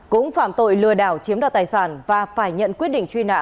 cũng phạm tội lừa đảo chiếm đoạt tài sản và phải nhận quyết định truy nã